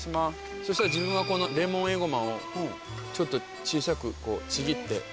そしたら自分はこのレモンエゴマをちょっと小さくこうちぎって。